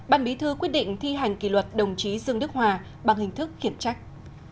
bàn bí thư quyết định thi hành kỷ luật đồng chí dương đức hòa bằng hình thức kiểm trách